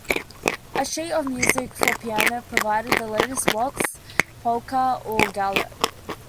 A sheet of music for piano provided the latest waltz, polka or galop.